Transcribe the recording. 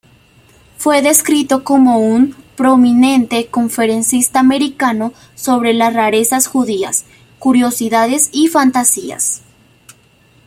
Fue descrito como un "prominente conferencista americano sobre rarezas judías, curiosidades y fantasías".